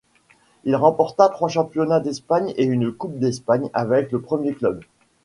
Il remporta trois championnats d’Espagne et une coupe d’Espagne avec le premier club.